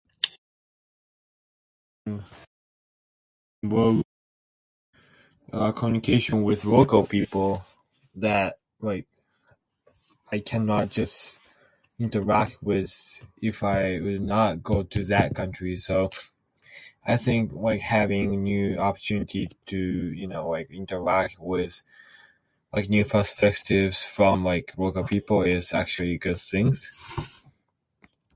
Well, our communication with local people, that... wait... i cannot just interact with if i will not go to that country so... I think that having a new opportunity to, you know, like interact with, like new perspectives, with like local people is actually a good thing.